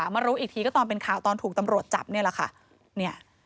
มารู้อีกทีก็ตอนเป็นข่าวตอนถูกตำรวจจับนี่แหละค่ะ